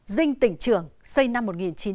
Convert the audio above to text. dinh tỉnh trường xây năm một nghìn chín trăm một mươi